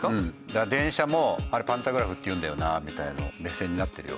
だから電車もあれパンタグラフっていうんだよなみたいな目線になってるよ